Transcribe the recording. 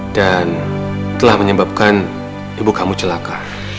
dan telah menyebabkan ibu kamu celaka